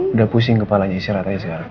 udah pusing kepalanya isirat aja sekarang